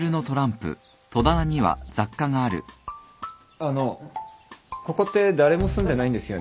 あのここって誰も住んでないんですよね？